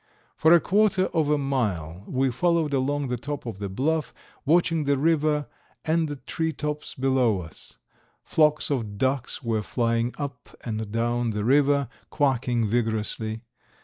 For a quarter of a mile we followed along the top of the bluff, watching the river and the tree tops below us. Flocks of ducks were flying up and down the river, quacking vigorously.